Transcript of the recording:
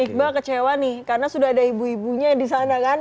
ikhbah kecewa nih karena sudah ada ibu ibunya di sana kan